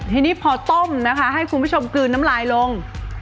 ทีนี้พอต้มนะคะให้คุณผู้ชมกลืนน้ำลายลง